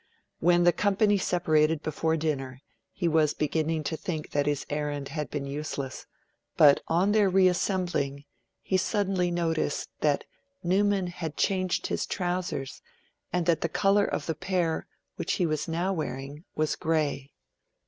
When the company separated before dinner, he was beginning to think that his errand had been useless; but, on their reassembling, he suddenly noticed that Newman had changed his trousers, and that the colour of the pair which he was now wearing was grey.